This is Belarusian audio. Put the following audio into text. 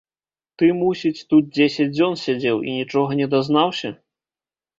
Ты, мусіць, тут дзесяць дзён сядзеў і нічога не дазнаўся?